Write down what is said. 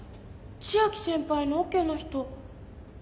千秋先輩のオケの人。